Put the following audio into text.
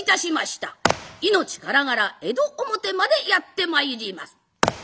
命からがら江戸表までやって参ります。